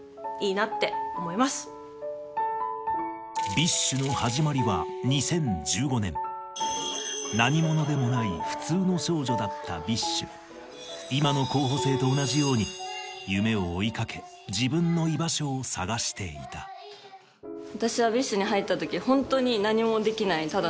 ＢｉＳＨの始まりは２０１５年だったＢｉＳＨ今の候補生と同じように夢を追い掛け自分の居場所を探していた私はＢｉＳＨに入った時。